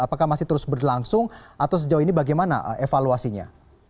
apakah masih terus berlangsung atau sejauh ini bagaimana evaluasinya